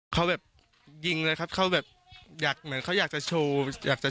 เขาแบบยิงเลยครับเขาแบบอยากเหมือนเขาอยากจะโชว์อยากจะ